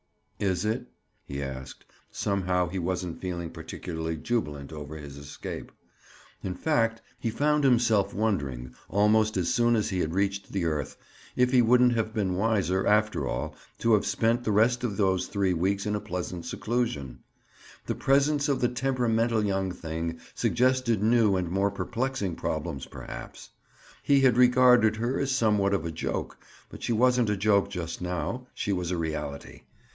"Is it?" he asked. Somehow he wasn't feeling particularly jubilant over his escape. In fact, he found himself wondering almost as soon as he had reached the earth, if it wouldn't have been wiser, after all, to have spent the rest of those three weeks in pleasant seclusion. The presence of the temperamental young thing suggested new and more perplexing problems perhaps. He had regarded her as somewhat of a joke, but she wasn't a joke just now; she was a reality.